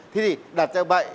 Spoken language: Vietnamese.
thế thì đặt ra bệnh